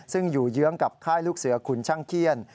ซึ่งอยู่เยื้องกับค่ายลูกเสือขุนช่างเขี้ยน